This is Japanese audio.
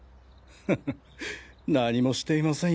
フフ何もしていません